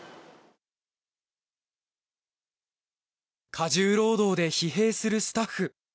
過重労働で疲弊するスタッフ。